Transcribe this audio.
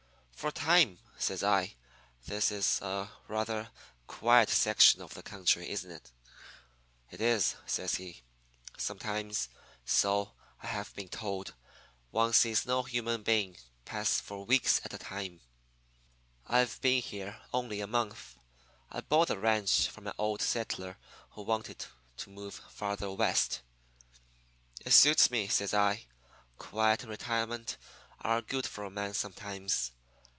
"'For a time,' says I. 'This is a rather quiet section of the country, isn't it?' "'It is,' says he. 'Sometimes so I have been told one sees no human being pass for weeks at a time. I've been here only a month. I bought the ranch from an old settler who wanted to move farther west.' "'It suits me,' says I. 'Quiet and retirement are good for a man sometimes.